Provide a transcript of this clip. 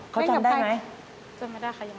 เขาจำได้ไหม